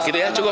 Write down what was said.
gitu ya cukup